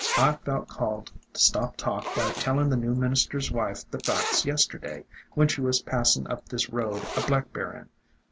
I felt called to stop talk by tellin' the new minister's wife the facts yesterday when she was passin' up this road a blackberryin'.